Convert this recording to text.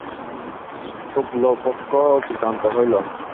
শুক্ল পক্ষ অতিক্রান্ত হইল।